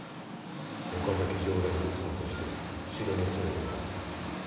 岡崎城代の妻として城に詰めてもらう。